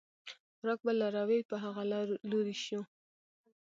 ورک به لاروی په هغه لوري شو